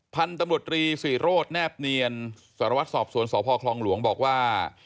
พันธุ์ตำรวจรีศรีโรธแนบเนียนสารวัตรสอบสวนสพคลองหลวงบอกว่า